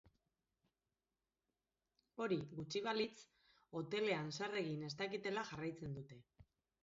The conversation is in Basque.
Hori gutxi balitz, hotelean zer egin ez dakitela jarraitzen dute.